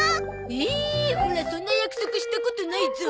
ええオラそんな約束したことないゾ。